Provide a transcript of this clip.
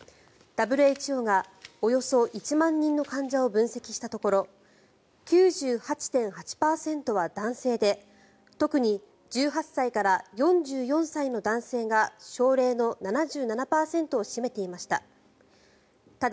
ＷＨＯがおよそ１万人の患者を分析したところ９８．８％は男性で特に１８歳から４４歳の男性が症例の７７％を占めていました。